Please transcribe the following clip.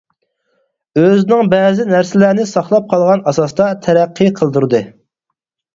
ئۆزىنىڭ بەزى نەرسىلەرنى ساقلاپ قالغان ئاساستا تەرەققىي قىلدۇردى.